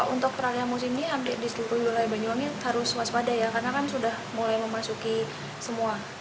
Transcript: untuk peralihan musim ini hampir di seluruh wilayah banyuwangi harus waspada ya karena kan sudah mulai memasuki semua